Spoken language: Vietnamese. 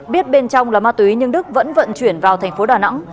biết bên trong là ma túy nhưng đức vẫn vận chuyển vào thành phố đà nẵng